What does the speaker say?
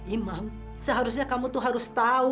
imam seharusnya kamu tuh harus tahu